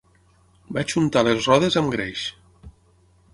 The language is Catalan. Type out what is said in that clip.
Vaig untar les rodes amb greix.